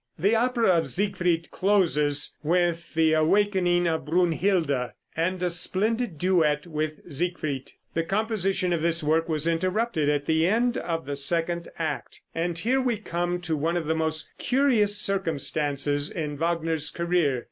The opera of "Siegfried" closes with the awakening of Brunhilde, and a splendid duet with Siegfried. The composition of this work was interrupted at the end of the second act, and here we come to one of the most curious circumstances in Wagner's career.